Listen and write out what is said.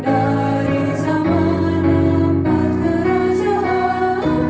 dari zaman empat kerajaan